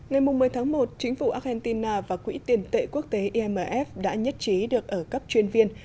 ngày một mươi tháng một chính phủ argentina và quỹ tiền tệ quốc tế imf đã nhất trí được ở cấp chuyên viên